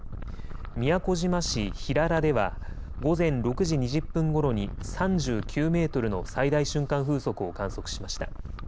宮古島市平良では午前６時２０分ごろに３９メートルの最大瞬間風速を観測しました。